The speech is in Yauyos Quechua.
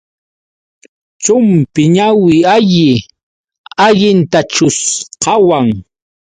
Chumpi ñawi alli allintachus qawan.